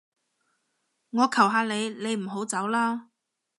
我求下你，你唔好走啦